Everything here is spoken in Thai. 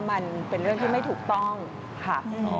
มันเป็นเรื่องที่ไม่ถูกต้องค่ะ